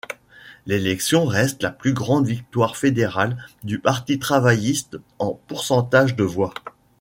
L'élection reste la plus grande victoire fédérale du parti travailliste en pourcentage de voix.